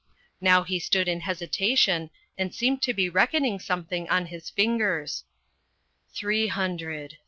Now he stood in hesitation and seemed to be reckoning something on his fingers. " Three hundred